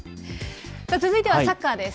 続いてはサッカーです。